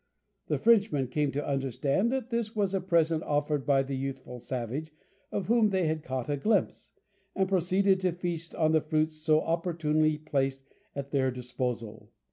The Frenchmen came to understand that this was a present offered by the youthful savage of whom they had caught a glimpse, and proceeded to feast on the fruits so opportunely placed at their disposal.